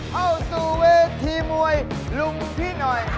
เข้าสู่เวทีมวยลุงพี่หน่อย